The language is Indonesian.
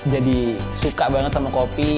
jadi suka banget sama kopi